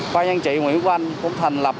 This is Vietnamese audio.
qua nhân trị nguyễn văn cũng thành lập